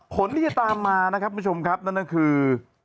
ผลที่จะตามมานะครับคุณผู้ชมครับนั่นก็คือ